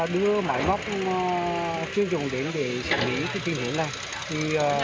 đến để xử lý